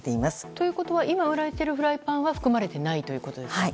ということは今売られているフライパンには含まれていないということですね。